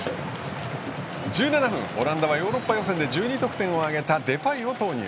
１７分、オランダはヨーロッパ予選で１２得点を挙げたデパイを投入。